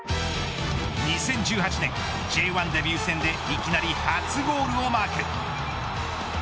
２０１８年、Ｊ１デビュー戦でいきなり初ゴールをマーク。